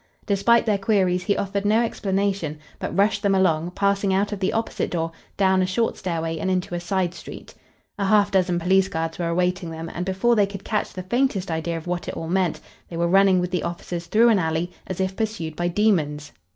Despite their queries he offered no explanation, but rushed them along, passing out of the opposite door, down a short stairway and into a side street. A half dozen police guards were awaiting them, and before they could catch the faintest idea of what it all meant, they were running with the officers through an alley, as if pursued by demons.